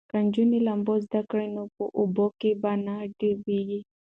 که نجونې لامبو زده کړي نو په اوبو کې به نه ډوبیږي.